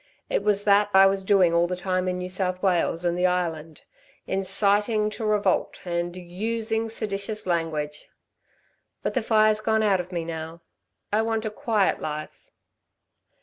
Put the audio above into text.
It was that I was doing all the time in New South Wales and the Island 'inciting to revolt' and 'using seditious language' ... but the fire's gone out of me now. I want a quiet life."